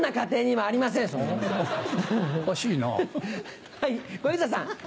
はい小遊三さん。